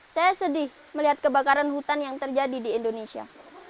saya sedih melihat kebakaran hutan yang terjadi di indonesia